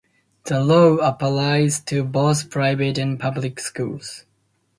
The law applies to both private and public schools.